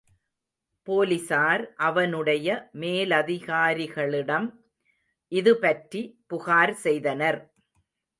போலிஸார் அவனுடைய மேலதிகாரிகளிடம் இதுபற்றி புகார் செய்தனர்.